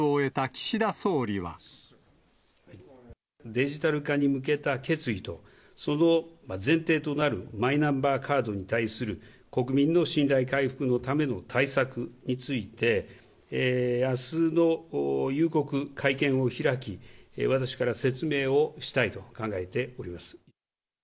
デジタル化に向けた決意と、その前提となるマイナンバーカードに対する国民の信頼回復のための対策について、あすの夕刻、会見を開き、私から説明をしたいと考えております。